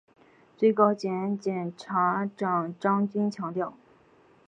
最高检检察长张军强调